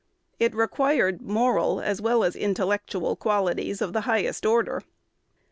It required moral as well as intellectual qualities of the highest order.